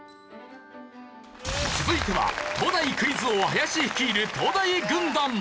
続いては東大クイズ王林率いる東大軍団。